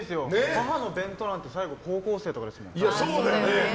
母の弁当なんて最後、高校生とかですもん。